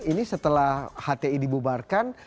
ini setelah hti dibubarkan